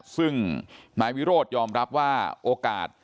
ซึ่งนายวิโรธยอมรับว่าโอกาส